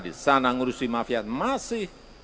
di sana ngurusi mafiat masih